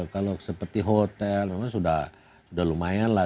kalau seperti hotel memang sudah lumayan lah